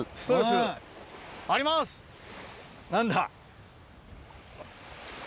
何だ？